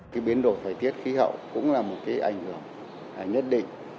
cái biến đổi thời tiết khí hậu cũng là một cái ảnh hưởng nhất định